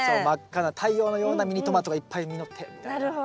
真っ赤な太陽のようなミニトマトがいっぱい実ってみたいな。